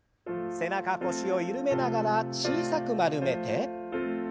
背中腰を緩めながら小さく丸めて。